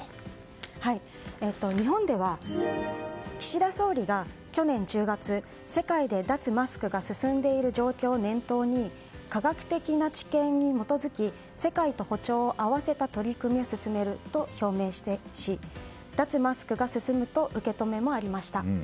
日本では岸田総理が去年１０月世界で脱マスクが進んでいる状況を念頭に科学的な知見に基づき世界と歩調を合わせた取り組みを進めると表明し、脱マスクが進むと受け止めもありました。